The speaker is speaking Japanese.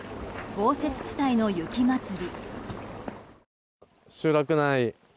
豪雪地帯の雪まつり。